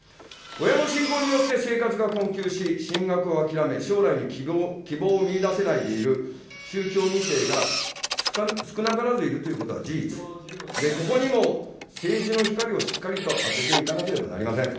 親の信仰によって生活が困窮し、進学を諦め、将来に希望を見いだせないでいる宗教２世が、少なからずいるということは事実で、ここにも政治の光をしっかりと当てていかなければなりません。